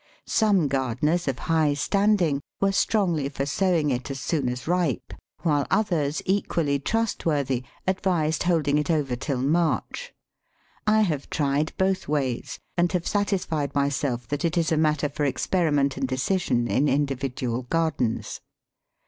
Some gardeners of high standing were strongly for sowing it as soon as ripe, while others equally trustworthy advised holding it over till March. I have tried both ways, and have satisfied myself that it is a matter for experiment and decision in individual gardens.